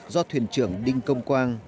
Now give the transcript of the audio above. do thuyền trưởng đinh công quang